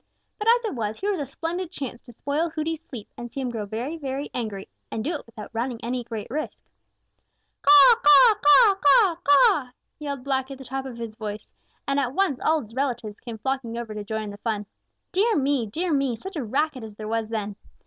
But as it was, here was a splendid chance to spoil Hooty's sleep and to see him grow very, very angry and do it without running any great risk. "Caw, caw, caw, caw, caw!" yelled Blacky at the top of his voice, and at once all his relatives came flocking over to join in the fun. Dear me, dear me, such a racket as there was then!